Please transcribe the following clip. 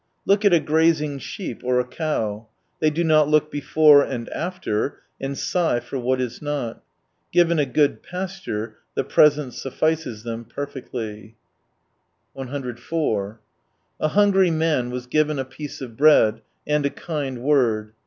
Look at a grazing sheep, or a cow. They do not look before and after, and ^igh for what is not. Given a good pasture, the present suffices them perfectly. 114 104 A hungry man was given a piece of bread, and a kind word.